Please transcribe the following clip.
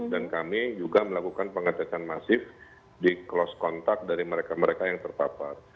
dan kami juga melakukan pengetesan masif di close contact dari mereka mereka yang terpapar